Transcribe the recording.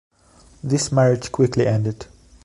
This marriage quickly ended.